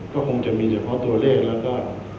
ก็คงจะมีเฉพาะตัวเลขแล้วก็